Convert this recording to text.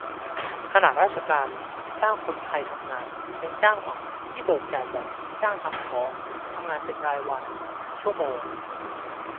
ขนาดราชการจ้างคนไทยทำงาน ยัง "จ้างเหมา" ที่เบิกจ่ายแบบ "จ้างทำของ" ทำงานเป็นรายวัน-ชั่วโมง